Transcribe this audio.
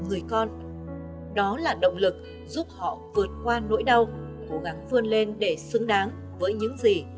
người con đó là động lực giúp họ vượt qua nỗi đau cố gắng vươn lên để xứng đáng với những gì